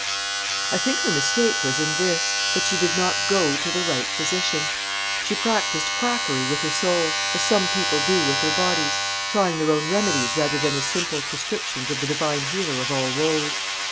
I think her mistake was in this, that she did not go to the right Physician. She practised quackery with her soul, as some people do with their bodies; trying their own remedies, rather than the simple prescriptions of the Divine Healer of all woes.